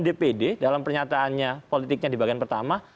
dpd dalam pernyataannya politiknya di bagian pertama